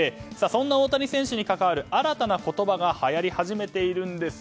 そんな大谷選手に関わる新たな言葉がはやり始めているんです。